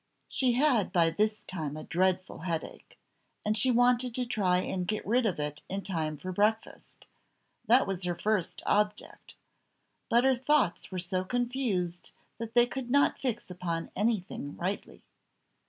She had by this time a dreadful headache, and she wanted to try and get rid of it in time for breakfast that was her first object; but her thoughts were so confused that they could not fix upon anything rightly.